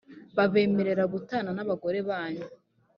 babemerera gutana n’abagore banyu